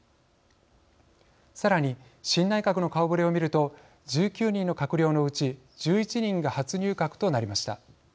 さらに新内閣の顔ぶれを見ると１９人の閣僚のうち１１人が初入閣となりました。